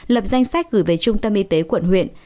lập danh sách gửi về trung tâm y tế quận huyện